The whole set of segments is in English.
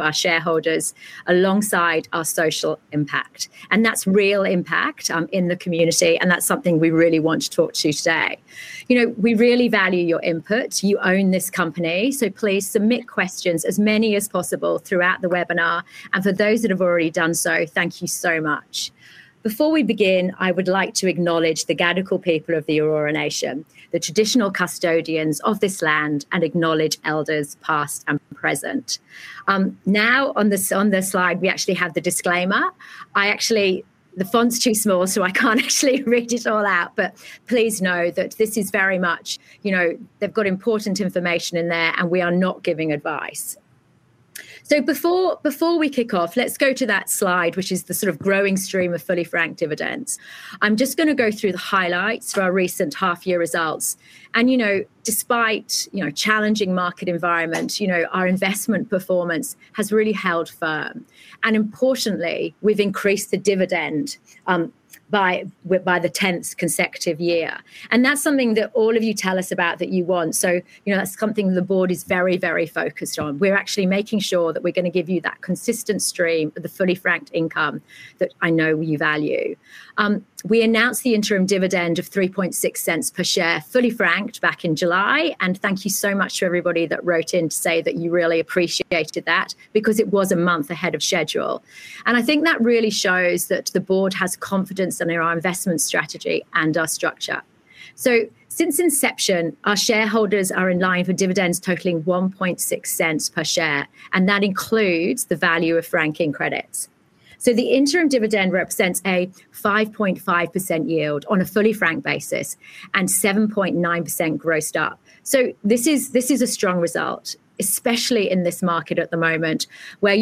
Our shareholders alongside our social impact. That's real impact in the community, and that's something we really want to talk to you today. We really value your input. You own this company, so please submit questions, as many as possible, throughout the webinar. For those that have already done so, thank you so much. Before we begin, I would like to acknowledge the Gadigal people of the Eora Nation, the traditional custodians of this land, and acknowledge elders past and present. Now, on the slide, we actually have the disclaimer. The font's too small, so I can't actually read it all out, but please know that this is very much, you know, they've got important information in there, and we are not giving advice. Before we kick off, let's go to that slide, which is the sort of growing stream of fully franked dividends. I'm just going to go through the highlights for our recent half-year results. Despite a challenging market environment, our investment performance has really held firm. Importantly, we've increased the dividend for the 10th consecutive year. That's something that all of you tell us about that you want. That's something the board is very, very focused on. We're actually making sure that we're going to give you that consistent stream of the fully franked income that I know you value. We announced the interim dividend of $0.036 per share, fully franked, back in July. Thank you so much to everybody that wrote in to say that you really appreciated that because it was a month ahead of schedule. I think that really shows that the board has confidence in our investment strategy and our structure. Since inception, our shareholders are in line for dividends totaling $0.016 per share, and that includes the value of franking credits. The interim dividend represents a 5.5% yield on a fully franked basis and 7.9% grossed up. This is a strong result, especially in this market at the moment, where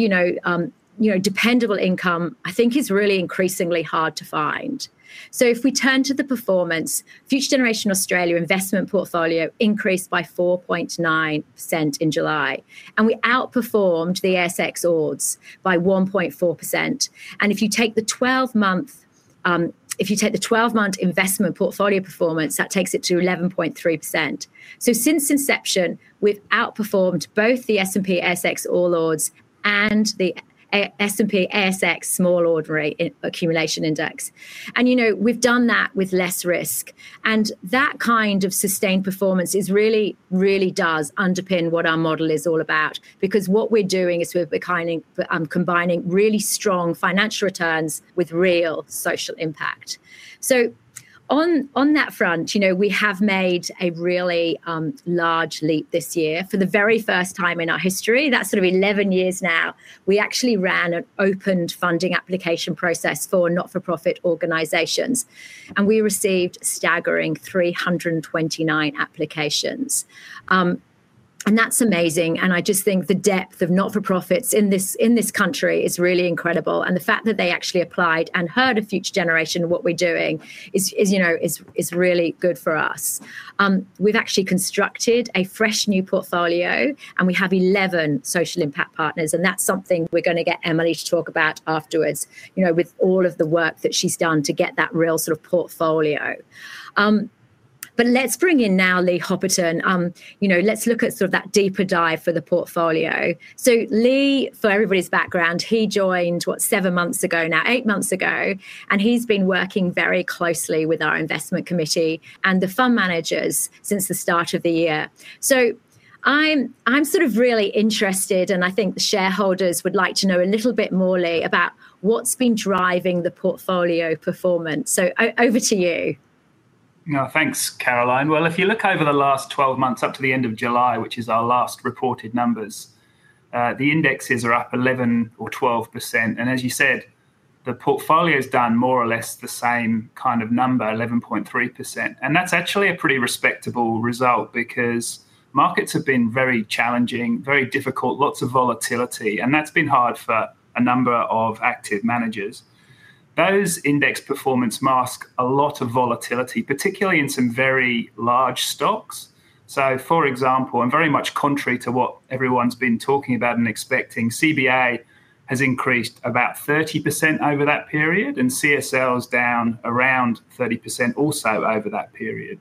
dependable income, I think, is really increasingly hard to find. If we turn to the performance, Future Generation Australia Limited investment portfolio increased by 4.9% in July, and we outperformed the S&P/ASX All Ordinaries by 1.4%. If you take the 12-month investment portfolio performance, that takes it to 11.3%. Since inception, we've outperformed both the S&P/ASX All Ordinaries and the S&P/ASX Small Ordinaries Accumulation Index. You know, we've done that with less risk. That kind of sustained performance really, really does underpin what our model is all about, because what we're doing is we're combining really strong financial returns with real social impact. On that front, we have made a really large leap this year. For the very first time in our history, that's sort of 11 years now, we actually ran an open funding application process for not-for-profit organizations, and we received a staggering 329 applications. That's amazing. I just think the depth of not-for-profits in this country is really incredible. The fact that they actually applied and heard of Future Generation Australia Limited and what we're doing is really good for us. We've actually constructed a fresh new portfolio, and we have 11 social impact partners. That's something we're going to get Emily to talk about afterwards, with all of the work that she's done to get that real sort of portfolio. Let's bring in now Lee Hopperton. Let's look at that deeper dive for the portfolio. For everybody's background, he joined, what, seven months ago now, eight months ago, and he's been working very closely with our investment committee and the fund managers since the start of the year. I'm really interested, and I think the shareholders would like to know a little bit more, Lee, about what's been driving the portfolio performance. Over to you. No, thanks, Caroline. If you look over the last 12 months up to the end of July, which is our last reported numbers, the indexes are up 11% or 12%. As you said, the portfolio's done more or less the same kind of number, 11.3%. That's actually a pretty respectable result because markets have been very challenging, very difficult, lots of volatility, and that's been hard for a number of active managers. Those index performances mask a lot of volatility, particularly in some very large stocks. For example, and very much contrary to what everyone's been talking about and expecting, CBA has increased about 30% over that period, and CSL is down around 30% also over that period.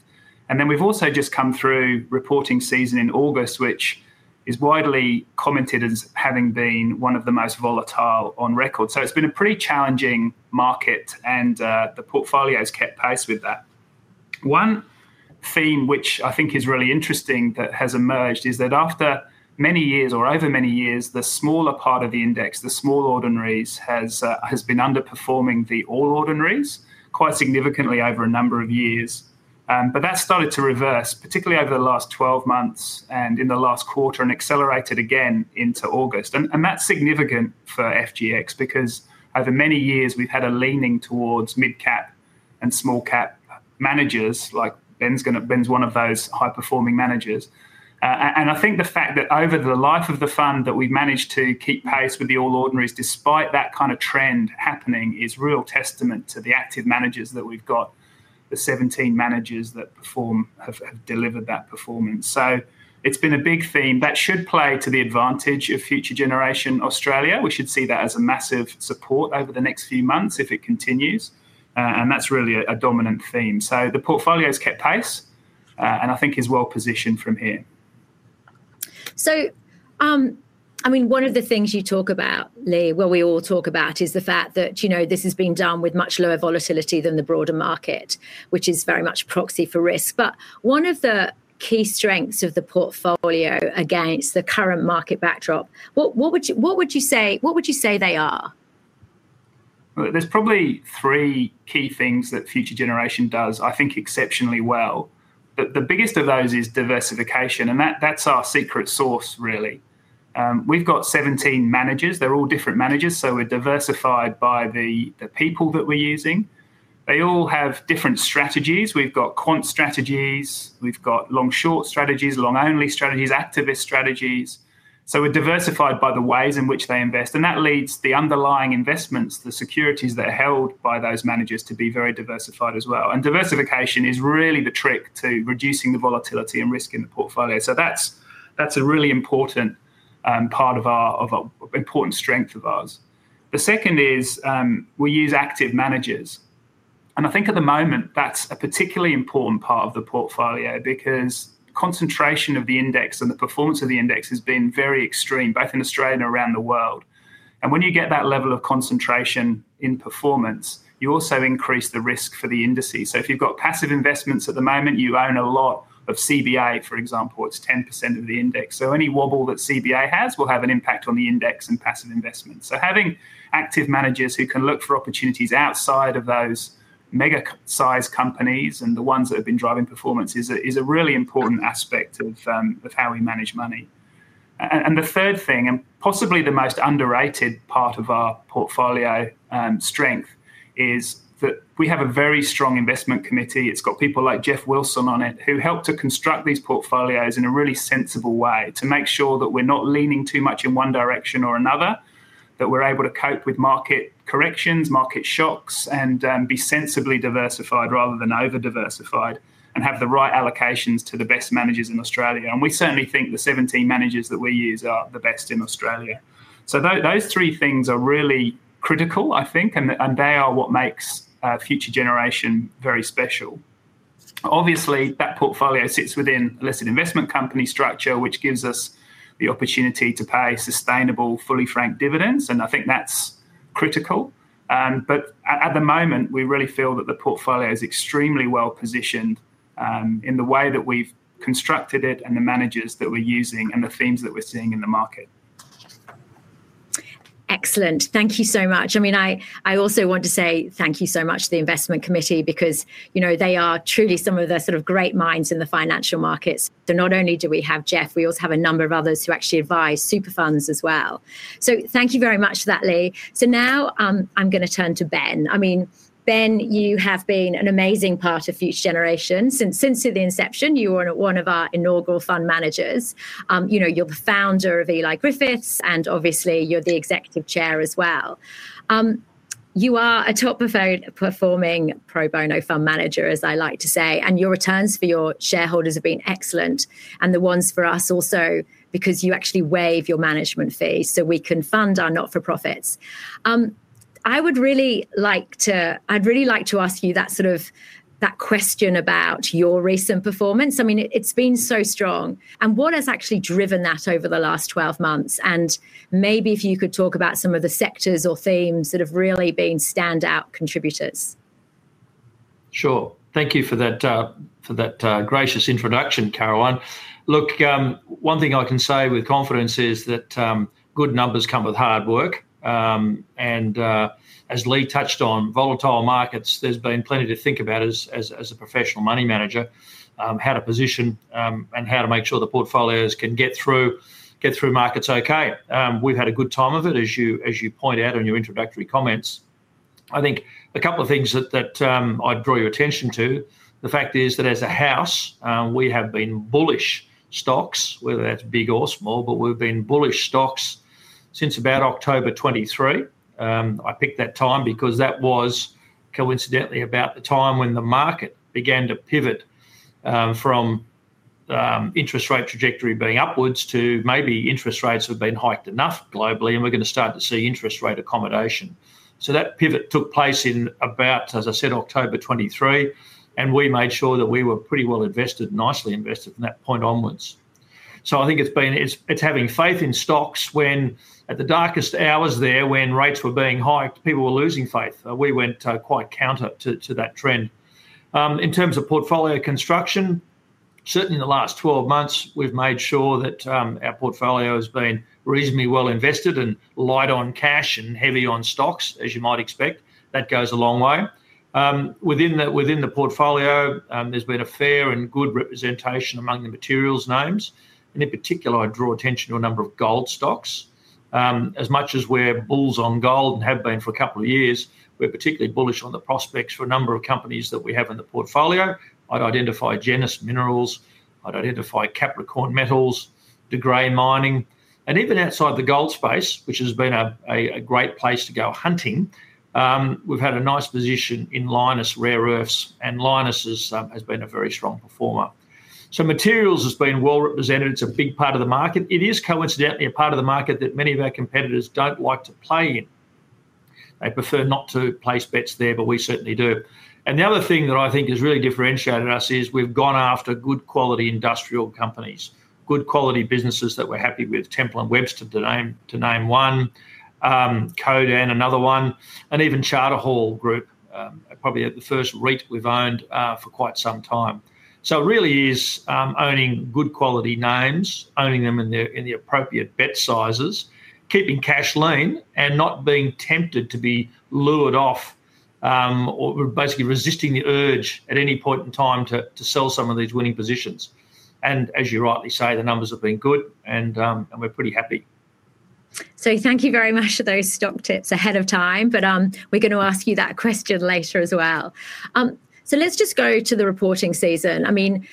We've also just come through reporting season in August, which is widely commented as having been one of the most volatile on record. It's been a pretty challenging market, and the portfolio's kept pace with that. One theme which I think is really interesting that has emerged is that after many years, or over many years, the smaller part of the index, the small ordinaries, has been underperforming the all ordinaries quite significantly over a number of years. That's started to reverse, particularly over the last 12 months and in the last quarter, and accelerated again into August. That's significant for Future Generation Australia Limited because over many years, we've had a leaning towards mid-cap and small-cap managers. Like Ben's one of those high-performing managers. I think the fact that over the life of the fund that we've managed to keep pace with the all ordinaries, despite that kind of trend happening, is a real testament to the active managers that we've got, the 17 managers that have delivered that performance. It's been a big theme. That should play to the advantage of Future Generation Australia Limited. We should see that as a massive support over the next few months if it continues. That's really a dominant theme. The portfolio's kept pace, and I think it's well positioned from here. I mean, one of the things you talk about, Lee, we all talk about is the fact that, you know, this has been done with much lower volatility than the broader market, which is very much a proxy for risk. One of the key strengths of the portfolio against the current market backdrop, what would you say they are? There's probably three key things that Future Generation does, I think, exceptionally well. The biggest of those is diversification, and that's our secret sauce, really. We've got 17 managers. They're all different managers, so we're diversified by the people that we're using. They all have different strategies. We've got quant strategies, we've got long-short strategies, long-only strategies, activist strategies. We're diversified by the ways in which they invest. That leads the underlying investments, the securities that are held by those managers, to be very diversified as well. Diversification is really the trick to reducing the volatility and risk in the portfolio. That's a really important part of our important strength of ours. The second is we use active managers. I think at the moment, that's a particularly important part of the portfolio because the concentration of the index and the performance of the index has been very extreme, both in Australia and around the world. When you get that level of concentration in performance, you also increase the risk for the indices. If you've got passive investments at the moment, you own a lot of CBA, for example, it's 10% of the index. Any wobble that CBA has will have an impact on the index and passive investments. Having active managers who can look for opportunities outside of those mega-sized companies and the ones that have been driving performance is a really important aspect of how we manage money. The third thing, and possibly the most underrated part of our portfolio strength, is that we have a very strong investment committee. It's got people like Geoffrey Wilson on it, who help to construct these portfolios in a really sensible way to make sure that we're not leaning too much in one direction or another, that we're able to cope with market corrections, market shocks, and be sensibly diversified rather than over-diversified, and have the right allocations to the best managers in Australia. We certainly think the 17 managers that we use are the best in Australia. Those three things are really critical, I think, and they are what makes Future Generation very special. Obviously, that portfolio sits within a listed investment company structure, which gives us the opportunity to pay sustainable, fully franked dividends, and I think that's critical. At the moment, we really feel that the portfolio is extremely well positioned in the way that we've constructed it and the managers that we're using and the themes that we're seeing in the market. Excellent. Thank you so much. I also want to say thank you so much to the investment committee because they are truly some of the sort of great minds in the financial markets. Not only do we have Geoff, we also have a number of others who actually advise super funds as well. Thank you very much for that, Lee. Now I'm going to turn to Ben. Ben, you have been an amazing part of Future Generation Australia Limited since the inception. You were one of our inaugural fund managers. You're the founder of Eley Griffiths Group, and obviously, you're the Executive Chair as well. You are a top performing pro bono fund manager, as I like to say, and your returns for your shareholders have been excellent, and the ones for us also, because you actually waive your management fees so we can fund our not-for-profits. I would really like to ask you that sort of question about your recent performance. It's been so strong. What has actually driven that over the last 12 months? Maybe if you could talk about some of the sectors or themes that have really been standout contributors. Sure. Thank you for that gracious introduction, Caroline. Look, one thing I can say with confidence is that good numbers come with hard work. As Lee touched on, volatile markets, there's been plenty to think about as a professional money manager, how to position and how to make sure the portfolios can get through markets OK. We've had a good time of it, as you point out in your introductory comments. I think a couple of things that I'd draw your attention to, the fact is that as a house, we have been bullish stocks, whether that's big or small, but we've been bullish stocks since about October 2023. I picked that time because that was coincidentally about the time when the market began to pivot from the interest rate trajectory being upwards to maybe interest rates have been hiked enough globally, and we're going to start to see interest rate accommodation. That pivot took place in about, as I said, October 2023, and we made sure that we were pretty well invested, nicely invested from that point onwards. I think it's been having faith in stocks when at the darkest hours there, when rates were being hiked, people were losing faith. We went quite counter to that trend. In terms of portfolio construction, certainly in the last 12 months, we've made sure that our portfolio has been reasonably well invested and light on cash and heavy on stocks, as you might expect. That goes a long way. Within the portfolio, there's been a fair and good representation among the materials names. In particular, I'd draw attention to a number of gold stocks. As much as we're bulls on gold and have been for a couple of years, we're particularly bullish on the prospects for a number of companies that we have in the portfolio. I'd identify Genesis Minerals, I'd identify Capricorn Metals, De Grey Mining. Even outside the gold space, which has been a great place to go hunting, we've had a nice position in Lynas Rare Earths, and Lynas has been a very strong performer. Materials has been well represented. It's a big part of the market. It is coincidentally a part of the market that many of our competitors don't like to play in. They prefer not to place bets there, but we certainly do. The other thing that I think has really differentiated us is we've gone after good quality industrial companies, good quality businesses that we're happy with. Temple & Webster, to name one, Codan another one, and even Charter Hall Group, probably the first REIT we've owned for quite some time. It really is owning good quality names, owning them in the appropriate bet sizes, keeping cash lean, and not being tempted to be lured off or basically resisting the urge at any point in time to sell some of these winning positions. As you rightly say, the numbers have been good, and we're pretty happy. Thank you very much for those stock tips ahead of time, but we're going to ask you that question later as well. Let's just go to the reporting season. I mean,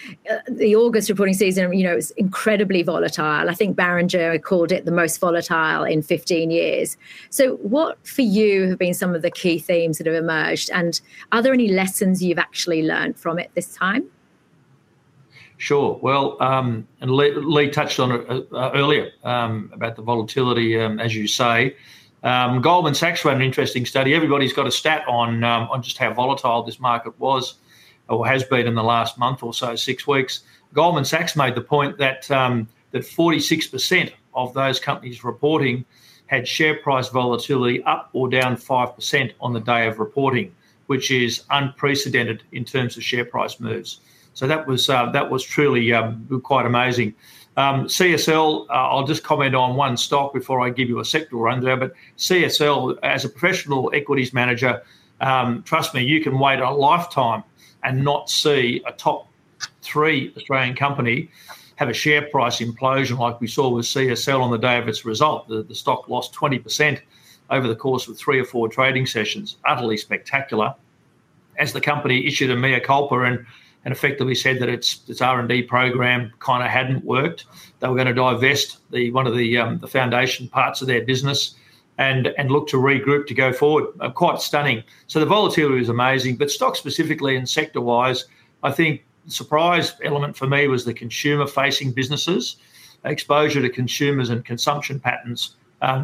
the August reporting season is incredibly volatile. I think Ben Griffiths called it the most volatile in 15 years. What for you have been some of the key themes that have emerged? Are there any lessons you've actually learned from it this time? Sure. Lee touched on it earlier about the volatility, as you say. Goldman Sachs ran an interesting study. Everybody's got a stat on just how volatile this market was or has been in the last month or so, six weeks. Goldman Sachs made the point that 46% of those companies reporting had share price volatility up or down 5% on the day of reporting, which is unprecedented in terms of share price moves. That was truly quite amazing. CSL, I'll just comment on one stock before I give you a sector, Andrea, but CSL, as a professional equities manager, trust me, you can wait a lifetime and not see a top three grand company have a share price implosion like we saw with CSL on the day of its result. The stock lost 20% over the course of three or four trading sessions, utterly spectacular. As the company issued a mea culpa and effectively said that its R&D program kind of hadn't worked, they were going to divest one of the foundation parts of their business and look to regroup to go forward. Quite stunning. The volatility was amazing, but stocks specifically and sector-wise, I think the surprise element for me was the consumer-facing businesses, exposure to consumers and consumption patterns.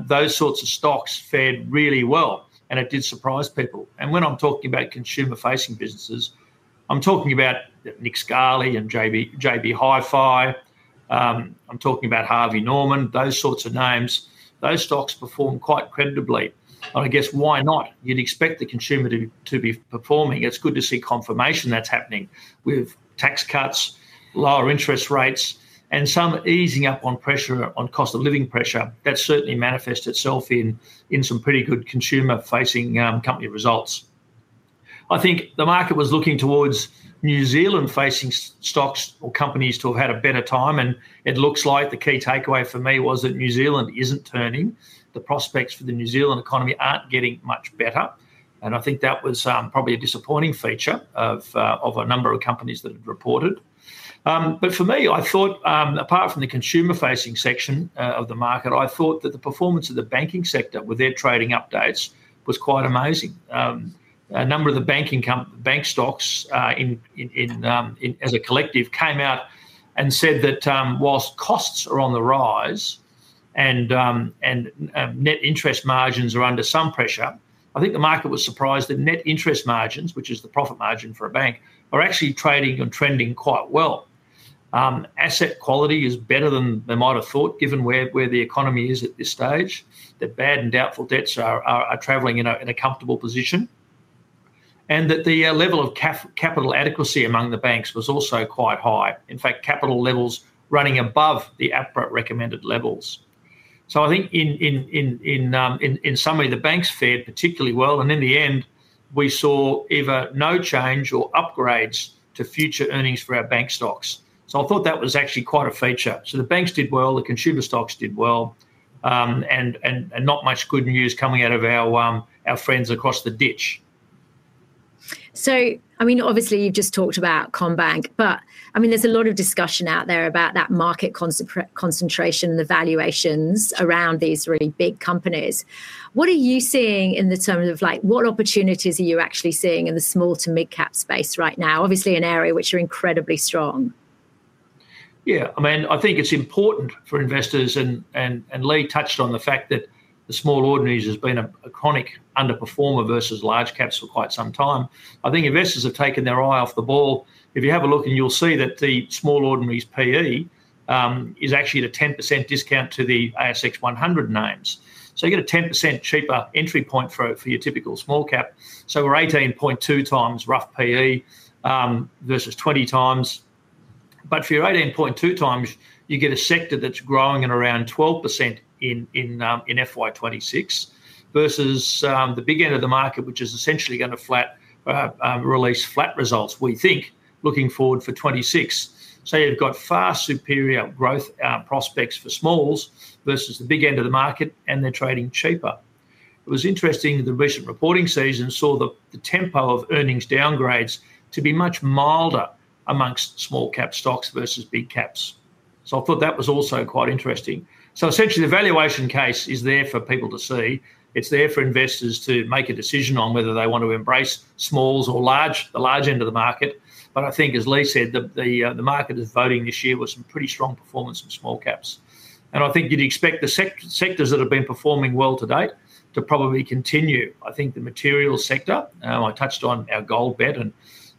Those sorts of stocks fared really well, and it did surprise people. When I'm talking about consumer-facing businesses, I'm talking about Nick Scali and JB Hi-Fi. I'm talking about Harvey Norman, those sorts of names. Those stocks performed quite credibly. I guess, why not? You'd expect the consumer to be performing. It's good to see confirmation that's happening with tax cuts, lower interest rates, and some easing up on pressure on cost of living pressure. That certainly manifests itself in some pretty good consumer-facing company results. I think the market was looking towards New Zealand-facing stocks or companies to have had a better time, and it looks like the key takeaway for me was that New Zealand isn't turning. The prospects for the New Zealand economy aren't getting much better. I think that was probably a disappointing feature of a number of companies that reported. For me, I thought, apart from the consumer-facing section of the market, the performance of the banking sector with their trading updates was quite amazing. A number of the bank stocks as a collective came out and said that whilst costs are on the rise and net interest margins are under some pressure, I think the market was surprised that net interest margins, which is the profit margin for a bank, are actually trading and trending quite well. Asset quality is better than they might have thought, given where the economy is at this stage, that bad and doubtful debts are traveling in a comfortable position, and that the level of capital adequacy among the banks was also quite high. In fact, capital levels running above the APRA recommended levels. I think in summary, the banks fared particularly well, and in the end, we saw either no change or upgrades to future earnings for our bank stocks. I thought that was actually quite a feature. The banks did well, the consumer stocks did well, and not much good news coming out of our friends across the ditch. Obviously, you just talked about Combank, but there's a lot of discussion out there about that market concentration and the valuations around these really big companies. What are you seeing in terms of, like, what opportunities are you actually seeing in the small to mid-cap space right now? Obviously, an area which are incredibly strong. Yeah, I mean, I think it's important for investors, and Lee touched on the fact that the S&P/ASX Small Ordinaries Accumulation Index has been an iconic underperformer versus large caps for quite some time. I think investors have taken their eye off the ball. If you have a look, you'll see that the Small Ordinaries PE is actually at a 10% discount to the ASX 100 names. You get a 10% cheaper entry point for your typical small cap. We're 18.2 times rough PE versus 20 times. For your 18.2 times, you get a sector that's growing at around 12% in FY2026 versus the big end of the market, which is essentially going to release flat results, we think, looking forward for 2026. You've got far superior growth prospects for small versus the big end of the market, and they're trading cheaper. It was interesting that the recent reporting season saw the tempo of earnings downgrades to be much milder amongst small cap stocks versus big caps. I thought that was also quite interesting. Essentially, the valuation case is there for people to see. It's there for investors to make a decision on whether they want to embrace small or the large end of the market. I think, as Lee said, the market is voting this year with some pretty strong performance in small caps. I think you'd expect the sectors that have been performing well to date to probably continue. I think the materials sector, I touched on our gold bet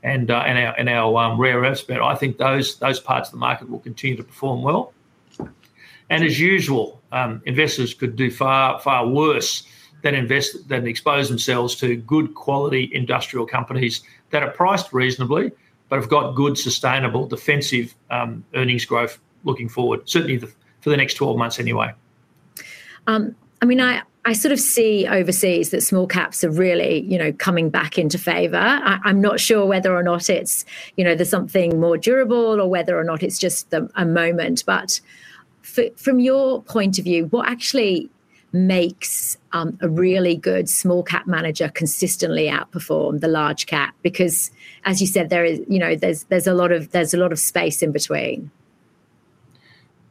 and our rare earths bet, I think those parts of the market will continue to perform well. As usual, investors could do far worse than expose themselves to good quality industrial companies that are priced reasonably but have got good sustainable defensive earnings growth looking forward, certainly for the next 12 months anyway. I mean, I sort of see overseas that small caps are really coming back into favor. I'm not sure whether or not it's, you know, there's something more durable or whether or not it's just a moment. From your point of view, what actually makes a really good small cap manager consistently outperform the large cap? As you said, there's a lot of space in between.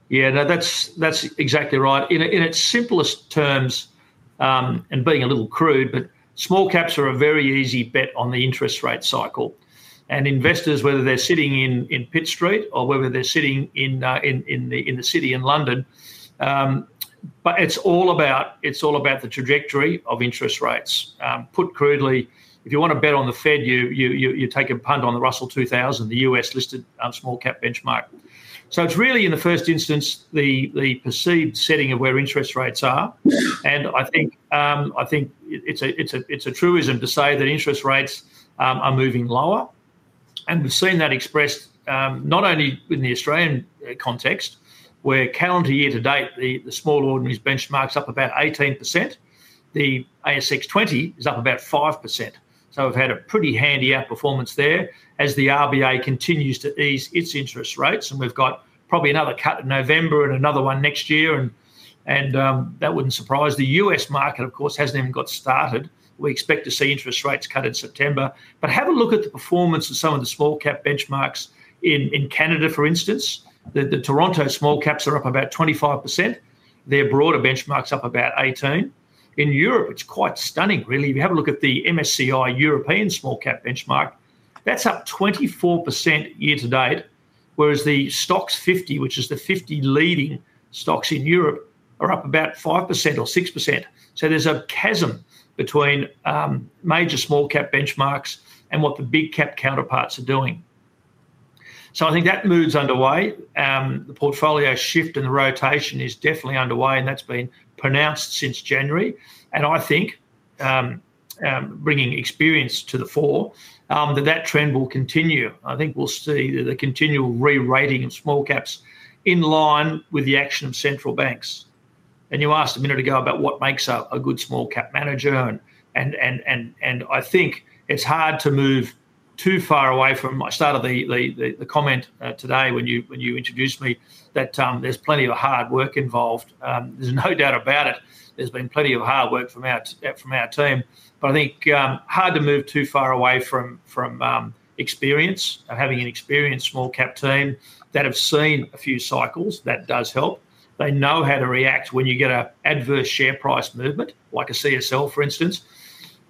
Yeah, that's exactly right. In its simplest terms, and being a little crude, small caps are a very easy bet on the interest rate cycle. Investors, whether they're sitting in Pitt Street or whether they're sitting in the city in London, it's all about the trajectory of interest rates. Put crudely, if you want to bet on the Fed, you take a punt on the Russell 2000, the U.S. listed small cap benchmark. It's really, in the first instance, the perceived setting of where interest rates are. I think it's a truism to say that interest rates are moving lower. We've seen that expressed not only in the Australian context, where calendar year to date, the small ordinary benchmark's up about 18%. The ASX 20 is up about 5%. We've had a pretty handy outperformance there as the RBA continues to ease its interest rates. We've got probably another cut in November and another one next year. That wouldn't surprise. The U.S. market, of course, hasn't even got started. We expect to see interest rates cut in September. Have a look at the performance of some of the small cap benchmarks. In Canada, for instance, the Toronto small caps are up about 25%. Their broader benchmark's up about 18%. In Europe, it's quite stunning, really. If you have a look at the MSCI European small cap benchmark, that's up 24% year to date, whereas the STOXX 50, which is the 50 leading stocks in Europe, are up about 5% or 6%. There's a chasm between major small cap benchmarks and what the big cap counterparts are doing. I think that mood's underway. The portfolio shift and rotation is definitely underway, and that's been pronounced since January. Bringing experience to the fore, that trend will continue. I think we'll see the continual re-rating of small caps in line with the action of central banks. You asked a minute ago about what makes a good small cap manager. I think it's hard to move too far away from, I started the comment today when you introduced me, that there's plenty of hard work involved. There's no doubt about it. There's been plenty of hard work from our team. I think hard to move too far away from experience and having an experienced small cap team that have seen a few cycles. That does help. They know how to react when you get an adverse share price movement, like a CSL, for instance.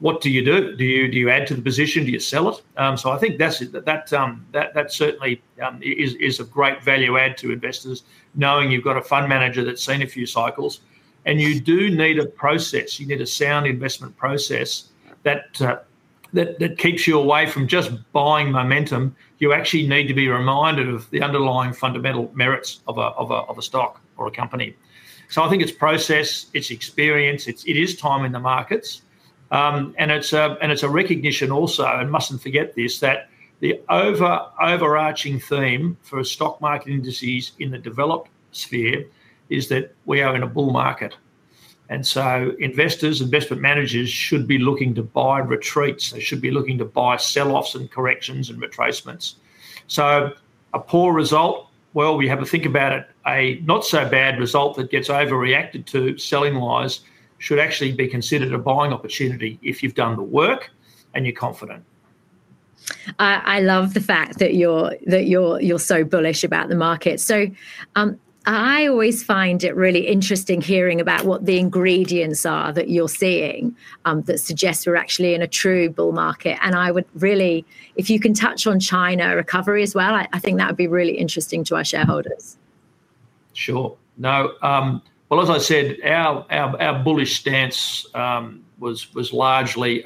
What do you do? Do you add to the position? Do you sell it? I think that's it. That certainly is a great value add to investors, knowing you've got a fund manager that's seen a few cycles. You do need a process. You need a sound investment process that keeps you away from just buying momentum. You actually need to be reminded of the underlying fundamental merits of a stock or a company. I think it's process, it's experience, it is time in the markets. It's a recognition also, and mustn't forget this, that the overarching theme for stock market indices in the developed sphere is that we are in a bull market. Investors, investment managers should be looking to buy retreats. They should be looking to buy sell-offs and corrections and retracements. A poor result, we have to think about it. A not-so-bad result that gets overreacted to selling-wise should actually be considered a buying opportunity if you've done the work and you're confident. I love the fact that you're so bullish about the market. I always find it really interesting hearing about what the ingredients are that you're seeing that suggest we're actually in a true bull market. I would really, if you can touch on China recovery as well, I think that would be really interesting to our shareholders. Sure. As I said, our bullish stance was largely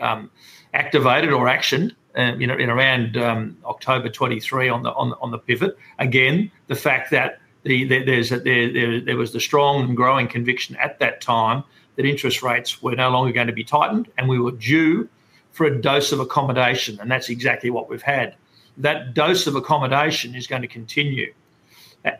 activated or actioned in around October 2023 on the pivot. Again, the fact that there was the strong and growing conviction at that time that interest rates were no longer going to be tightened and we were due for a dose of accommodation. That's exactly what we've had. That dose of accommodation is going to continue.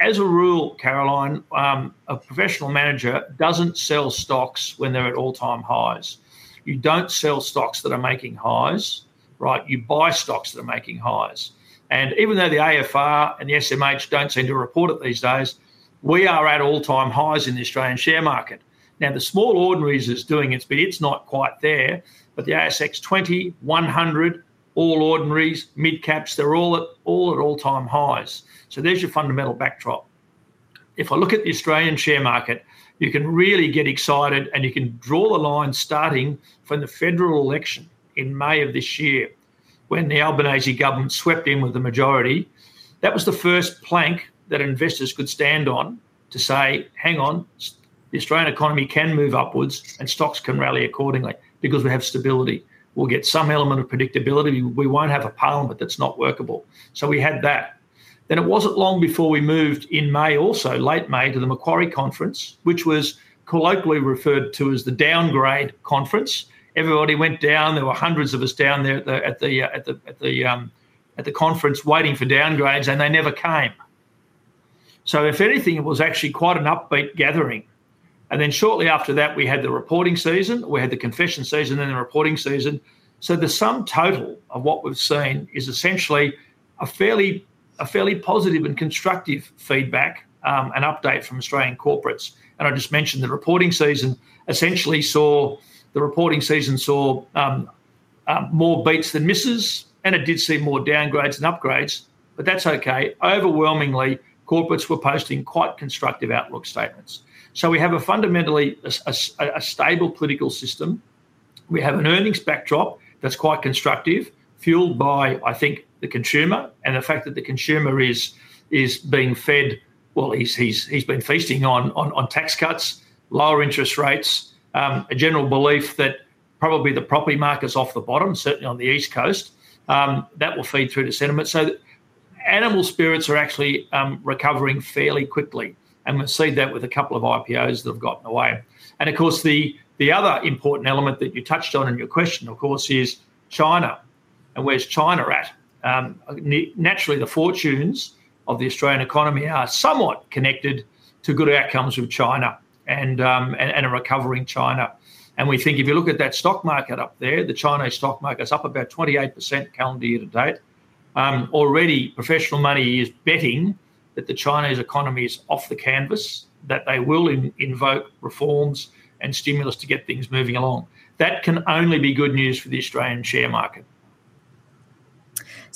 As a rule, Caroline, a professional manager doesn't sell stocks when they're at all-time highs. You don't sell stocks that are making highs, right? You buy stocks that are making highs. Even though the AFR and the SMH don't seem to report it these days, we are at all-time highs in the Australian share market. The small ordinaries is doing its bit. It's not quite there, but the ASX 20, 100, all ordinaries, mid-caps, they're all at all-time highs. There's your fundamental backdrop. If I look at the Australian share market, you can really get excited and you can draw the line starting from the federal election in May of this year when the Albanese government swept in with the majority. That was the first plank that investors could stand on to say, "Hang on, the Australian economy can move upwards and stocks can rally accordingly because we have stability. We'll get some element of predictability. We won't have a parliament that's not workable." We had that. It wasn't long before we moved in May, also late May, to the Macquarie Conference, which was colloquially referred to as the downgrade conference. Everybody went down. There were hundreds of us down there at the conference waiting for downgrades, and they never came. If anything, it was actually quite an upbeat gathering. Shortly after that, we had the reporting season. We had the confession season and the reporting season. The sum total of what we've seen is essentially a fairly positive and constructive feedback and update from Australian corporates. I just mentioned the reporting season essentially saw the reporting season saw more beats than misses, and it did see more downgrades than upgrades, but that's OK. Overwhelmingly, corporates were posting quite constructive outlook statements. We have a fundamentally stable political system. We have an earnings backdrop that's quite constructive, fueled by, I think, the consumer and the fact that the consumer is being fed, he's been feasting on tax cuts, lower interest rates, a general belief that probably the property market's off the bottom, certainly on the East Coast. That will feed through to sentiment. Animal spirits are actually recovering fairly quickly. We've seen that with a couple of IPOs that have gotten away. The other important element that you touched on in your question is China. Where's China at? Naturally, the fortunes of the Australian economy are somewhat connected to good outcomes with China and a recovering China. We think if you look at that stock market up there, the Chinese stock market's up about 28% calendar year to date. Already, professional money is betting that the Chinese economy is off the canvas, that they will invoke reforms and stimulus to get things moving along. That can only be good news for the Australian share market.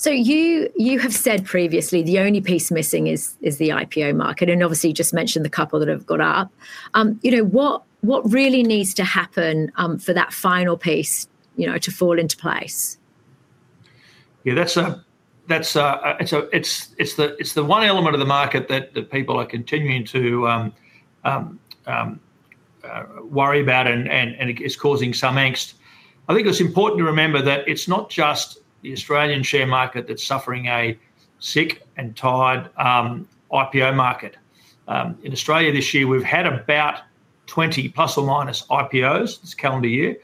You have said previously the only piece missing is the IPO market. Obviously, you just mentioned the couple that have got up. What really needs to happen for that final piece to fall into place? Yeah, that's the one element of the market that people are continuing to worry about and is causing some angst. I think it's important to remember that it's not just the Australian share market that's suffering a sick and tired IPO market. In Australia this year, we've had about 20, plus or minus, IPOs this calendar year,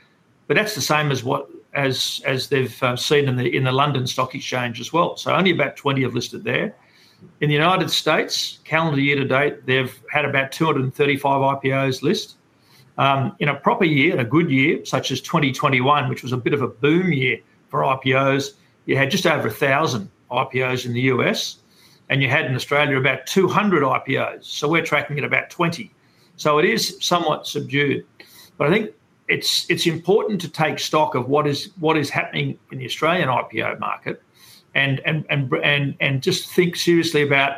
but that's the same as what they've seen in the London Stock Exchange as well. Only about 20 have listed there. In the United States, calendar year to date, they've had about 235 IPOs listed. In a proper year, in a good year such as 2021, which was a bit of a boom year for IPOs, you had just over 1,000 IPOs in the U.S., and you had in Australia about 200 IPOs. We're tracking at about 20. It is somewhat subdued. I think it's important to take stock of what is happening in the Australian IPO market and just think seriously about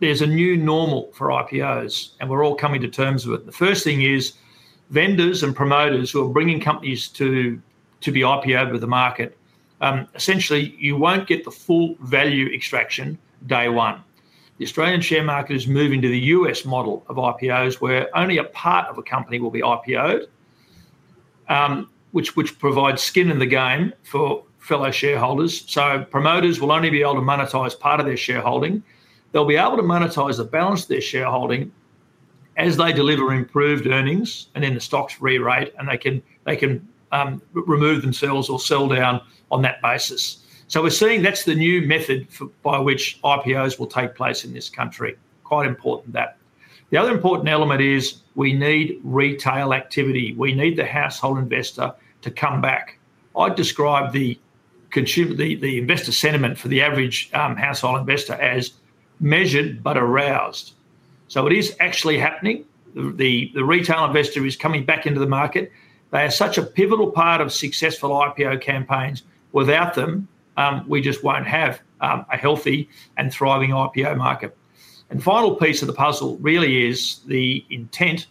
there's a new normal for IPOs, and we're all coming to terms with it. The first thing is vendors and promoters who are bringing companies to be IPO'd with the market, essentially, you won't get the full value extraction day one. The Australian share market is moving to the U.S. model of IPOs where only a part of a company will be IPO'd, which provides skin in the game for fellow shareholders. Promoters will only be able to monetize part of their shareholding. They'll be able to monetize the balance of their shareholding as they deliver improved earnings, and then the stocks re-rate, and they can remove themselves or sell down on that basis. We're seeing that's the new method by which IPOs will take place in this country. Quite important that. The other important element is we need retail activity. We need the household investor to come back. I'd describe the investor sentiment for the average household investor as measured but aroused. It is actually happening. The retail investor is coming back into the market. They are such a pivotal part of successful IPO campaigns. Without them, we just won't have a healthy and thriving IPO market. The final piece of the puzzle really is the intent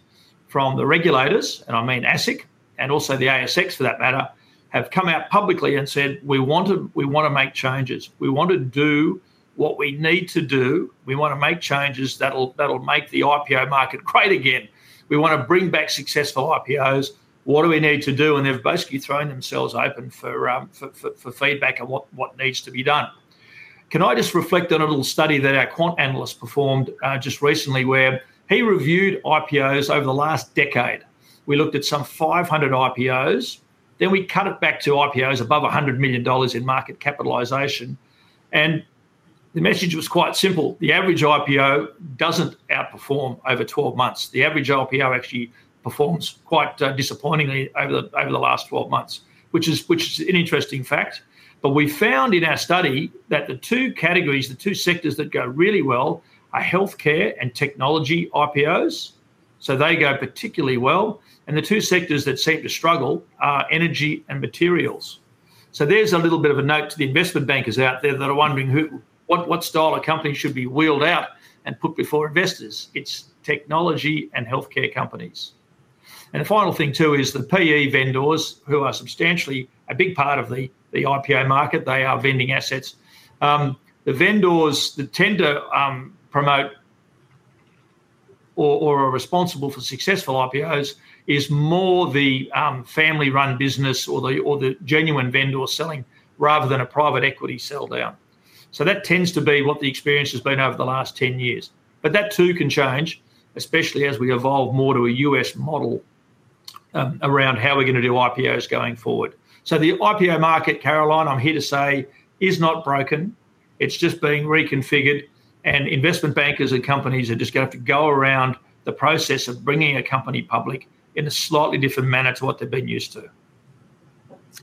from the regulators, and I mean ASIC and also the ASX for that matter, have come out publicly and said, "We want to make changes. We want to do what we need to do. We want to make changes that'll make the IPO market great again. We want to bring back successful IPOs. What do we need to do?" They've basically thrown themselves open for feedback on what needs to be done. Can I just reflect on a little study that our quant analyst performed just recently where he reviewed IPOs over the last decade? We looked at some 500 IPOs. Then we cut it back to IPOs above $100 million in market capitalization. The message was quite simple. The average IPO doesn't outperform over 12 months. The average IPO actually performs quite disappointingly over the last 12 months, which is an interesting fact. We found in our study that the two categories, the two sectors that go really well, are healthcare and technology IPOs. They go particularly well. The two sectors that seem to struggle are energy and materials. There is a little bit of a note to the investment bankers out there that are wondering what style of company should be wheeled out and put before investors. It's technology and healthcare companies. The final thing, too, is the PE vendors, who are substantially a big part of the IPO market. They are vending assets. The vendors that tend to promote or are responsible for successful IPOs is more the family-run business or the genuine vendor selling rather than a private equity sell down. That tends to be what the experience has been over the last 10 years. That, too, can change, especially as we evolve more to a U.S. model around how we're going to do IPOs going forward. The IPO market, Caroline, I'm here to say, is not broken. It's just being reconfigured. Investment bankers and companies are just going to have to go around the process of bringing a company public in a slightly different manner to what they've been used to.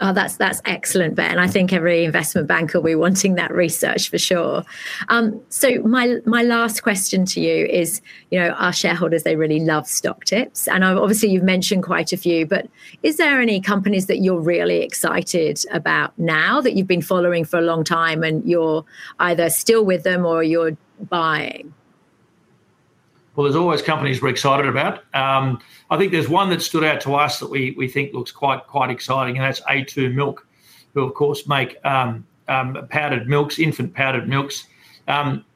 Oh, that's excellent, Ben. I think every investment banker will be wanting that research for sure. My last question to you is, you know, our shareholders, they really love stock tips. Obviously, you've mentioned quite a few, but is there any companies that you're really excited about now that you've been following for a long time and you're either still with them or you're buying? There are always companies we're excited about. I think there's one that stood out to us that we think looks quite exciting, and that's A2 Milk, who, of course, make infant powdered milks.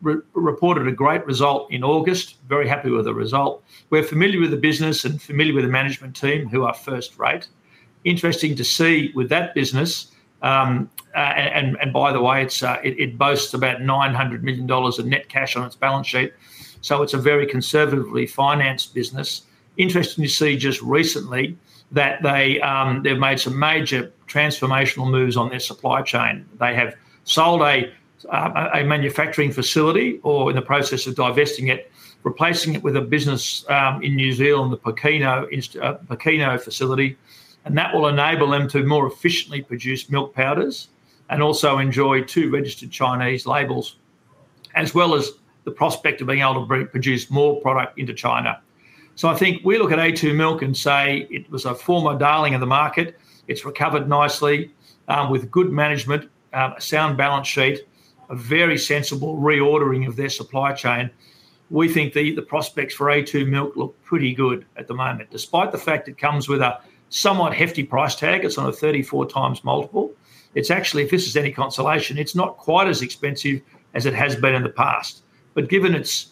Reported a great result in August, very happy with the result. We're familiar with the business and familiar with the management team who are first rate. Interesting to see with that business, and by the way, it boasts about $900 million of net cash on its balance sheet. It's a very conservatively financed business. Interesting to see just recently that they've made some major transformational moves on their supply chain. They have sold a manufacturing facility or are in the process of divesting it, replacing it with a business in New Zealand, the Pekino facility. That will enable them to more efficiently produce milk powders and also enjoy two registered Chinese labels, as well as the prospect of being able to produce more product into China. I think we look at A2 Milk and say it was a former darling of the market. It's recovered nicely with good management, a sound balance sheet, a very sensible reordering of their supply chain. We think the prospects for A2 Milk look pretty good at the moment, despite the fact it comes with a somewhat hefty price tag. It's on a 34 times multiple. If this is any consolation, it's not quite as expensive as it has been in the past. Given its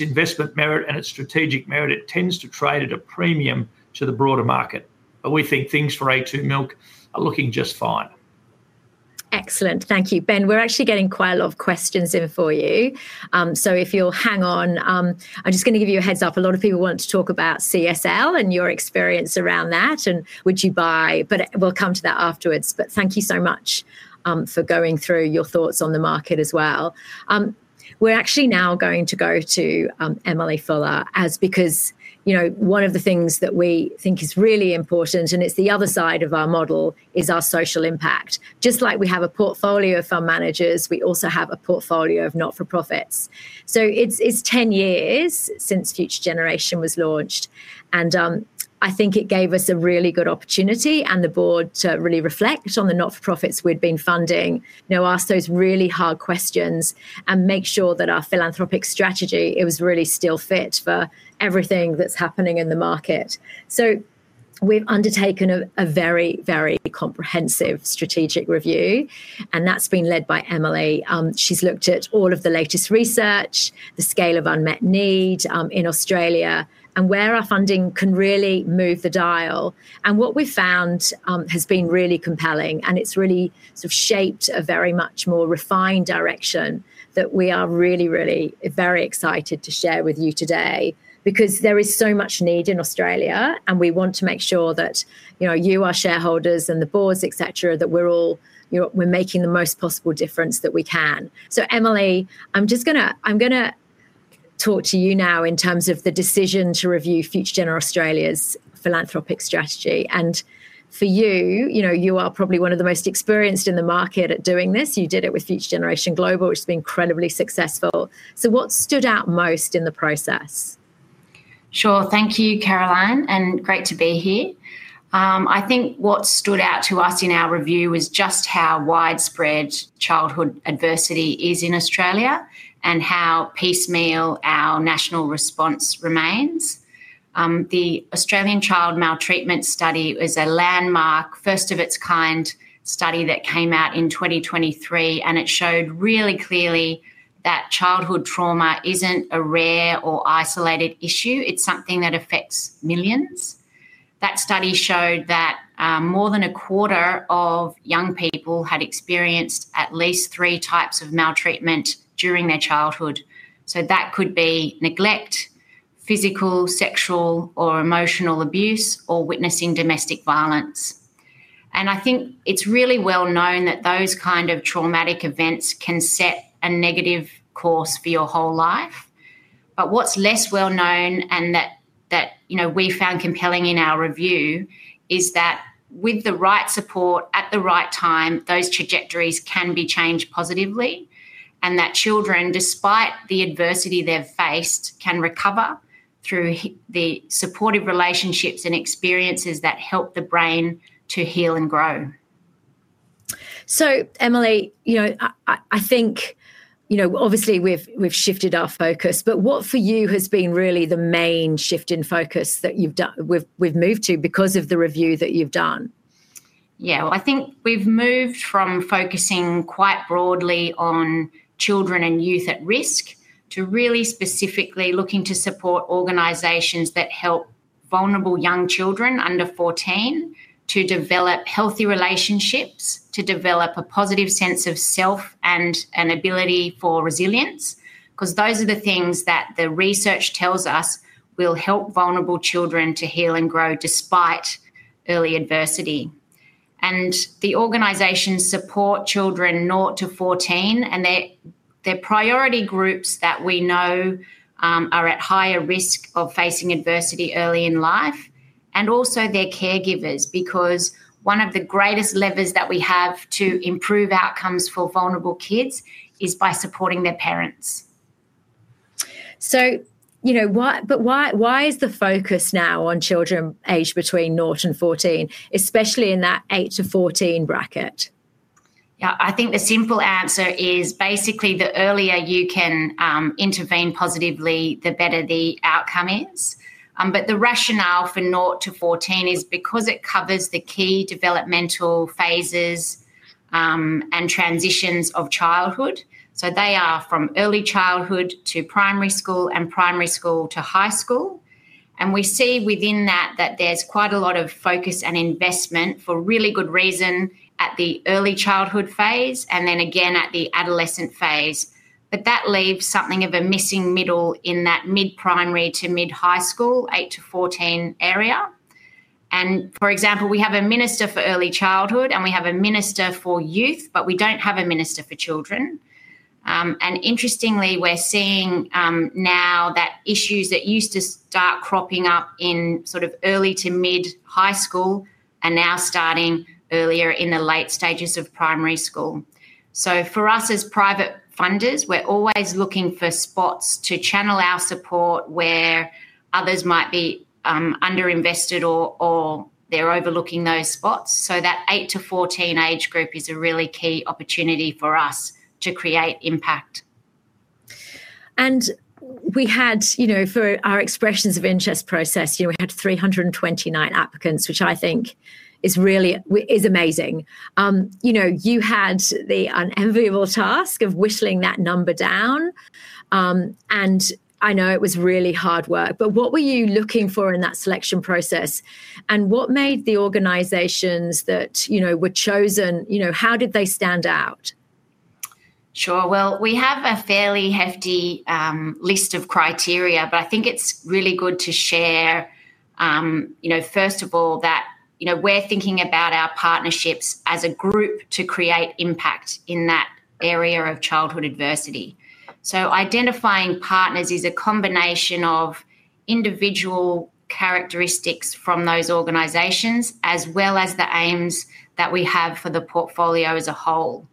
investment merit and its strategic merit, it tends to trade at a premium to the broader market. We think things for A2 Milk are looking just fine. Excellent. Thank you, Ben. We're actually getting quite a lot of questions in for you. If you'll hang on, I'm just going to give you a heads up. A lot of people want to talk about CSL and your experience around that and would you buy, but we'll come to that afterwards. Thank you so much for going through your thoughts on the market as well. We're actually now going to go to Emily Fuller because, you know, one of the things that we think is really important, and it's the other side of our model, is our social impact. Just like we have a portfolio of fund managers, we also have a portfolio of not-for-profits. It's 10 years since Future Generation Australia Limited was launched. I think it gave us a really good opportunity and the board to really reflect on the not-for-profits we'd been funding, ask those really hard questions, and make sure that our philanthropic strategy was really still fit for everything that's happening in the market. We've undertaken a very, very comprehensive strategic review, and that's been led by Emily. She's looked at all of the latest research, the scale of unmet need in Australia, and where our funding can really move the dial. What we found has been really compelling, and it's really sort of shaped a very much more refined direction that we are really, really very excited to share with you today because there is so much need in Australia, and we want to make sure that you, our shareholders, and the boards, et cetera, that we're all making the most possible difference that we can. Emily, I'm just going to talk to you now in terms of the decision to review Future Generation Australia Limited's philanthropic strategy. For you, you are probably one of the most experienced in the market at doing this. You did it with Future Generation Global Limited, which has been incredibly successful. What stood out most in the process? Sure. Thank you, Caroline, and great to be here. I think what stood out to us in our review was just how widespread childhood adversity is in Australia and how piecemeal our national response remains. The Australian Child Maltreatment Study was a landmark, first of its kind, study that came out in 2023, and it showed really clearly that childhood trauma isn't a rare or isolated issue. It's something that affects millions. That study showed that more than a quarter of young people had experienced at least three types of maltreatment during their childhood. That could be neglect, physical, sexual, or emotional abuse, or witnessing domestic violence. I think it's really well known that those kind of traumatic events can set a negative course for your whole life. What's less well known and that we found compelling in our review is that with the right support at the right time, those trajectories can be changed positively, and that children, despite the adversity they've faced, can recover through the supportive relationships and experiences that help the brain to heal and grow. Emily, I think, obviously we've shifted our focus. What for you has been really the main shift in focus that we've moved to because of the review that you've done? I think we've moved from focusing quite broadly on children and youth at risk to really specifically looking to support organizations that help vulnerable young children under 14 to develop healthy relationships, to develop a positive sense of self and an ability for resilience, because those are the things that the research tells us will help vulnerable children to heal and grow despite early adversity. The organizations support children 0 to 14, and they're priority groups that we know are at higher risk of facing adversity early in life, and also their caregivers, because one of the greatest levers that we have to improve outcomes for vulnerable kids is by supporting their parents. Why is the focus now on children aged between 0 and 14, especially in that 8 to 14 bracket? Yeah, I think the simple answer is basically the earlier you can intervene positively, the better the outcome is. The rationale for 0 to 14 is because it covers the key developmental phases and transitions of childhood. They are from early childhood to primary school and primary school to high school. We see within that that there's quite a lot of focus and investment for really good reason at the early childhood phase and then again at the adolescent phase. That leaves something of a missing middle in that mid-primary to mid-high school 8 to 14 area. For example, we have a Minister for Early Childhood and we have a Minister for Youth, but we don't have a Minister for Children. Interestingly, we're seeing now that issues that used to start cropping up in sort of early to mid-high school are now starting earlier in the late stages of primary school. For us as private funders, we're always looking for spots to channel our support where others might be underinvested or they're overlooking those spots. That 8 to 14 age group is a really key opportunity for us to create impact. For our expressions of interest process, we had 329 applicants, which I think is really amazing. You had the unenviable task of whittling that number down, and I know it was really hard work. What were you looking for in that selection process? What made the organizations that were chosen, how did they stand out? Sure. We have a fairly hefty list of criteria, but I think it's really good to share, first of all, that we're thinking about our partnerships as a group to create impact in that area of childhood adversity. Identifying partners is a combination of individual characteristics from those organizations, as well as the aims that we have for the portfolio as a whole.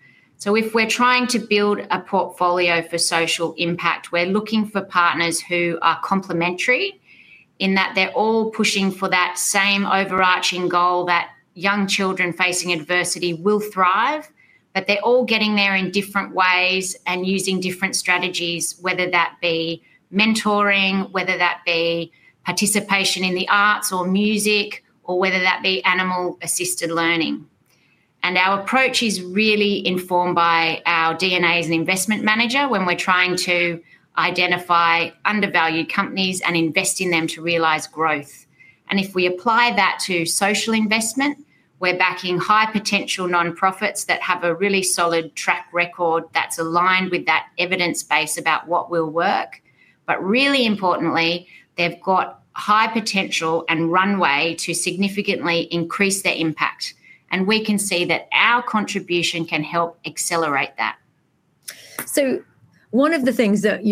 If we're trying to build a portfolio for social impact, we're looking for partners who are complementary in that they're all pushing for that same overarching goal that young children facing adversity will thrive, but they're all getting there in different ways and using different strategies, whether that be mentoring, participation in the arts or music, or animal-assisted learning. Our approach is really informed by our DNA as an investment manager when we're trying to identify undervalued companies and invest in them to realize growth. If we apply that to social investment, we're backing high-potential nonprofits that have a really solid track record that's aligned with that evidence base about what will work. Really importantly, they've got high potential and runway to significantly increase their impact. We can see that our contribution can help accelerate that. One of the things that